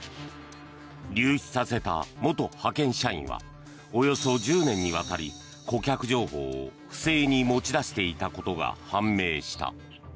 流出させた元派遣社員はおよそ１０年にわたり顧客情報を不正に持ち出していたことが判明した。